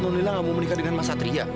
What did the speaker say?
nolila nggak mau menikah dengan mas satria